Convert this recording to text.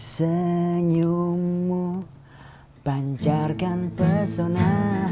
senyummu pancarkan pesona